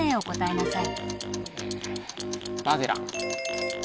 マゼラン。